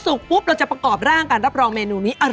เซ็ดเรี